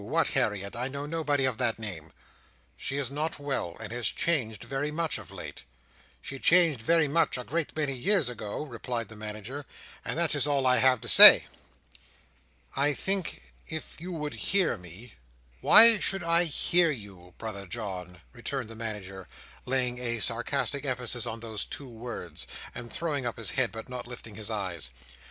what Harriet? I know nobody of that name." "She is not well, and has changed very much of late." "She changed very much, a great many years ago," replied the Manager; "and that is all I have to say. "I think if you would hear me— "Why should I hear you, Brother John?" returned the Manager, laying a sarcastic emphasis on those two words, and throwing up his head, but not lifting his eyes.